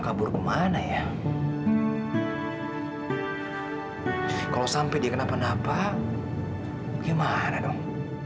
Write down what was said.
kalau sampai dia kenapa napa gimana dong